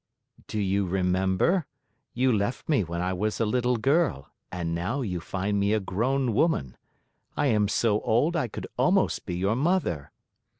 "Do you remember? You left me when I was a little girl and now you find me a grown woman. I am so old, I could almost be your mother!"